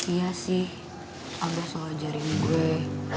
iya sih abah selalu ajarin gue